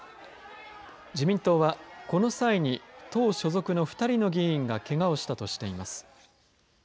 自民党はこの際に党所属の２人の議員がけがをしたとしています。